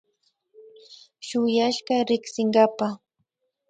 Shuyashka riksinkapa